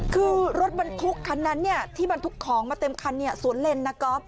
คือรถบรรทุกคันนั้นที่บรรทุกของมาเต็มคันสวนเลนนะก๊อฟ